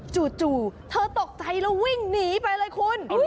จู่เธอตกใจแล้ววิ่งหนีไปเลยคุณ